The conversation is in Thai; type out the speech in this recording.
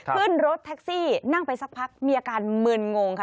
ขึ้นรถแท็กซี่นั่งไปสักพักมีอาการมึนงงค่ะ